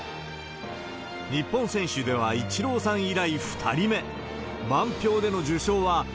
日本選手ではイチローさん以来、２人目。